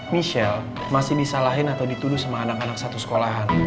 michelle masih disalahin atau dituduh sama anak anak satu sekolahan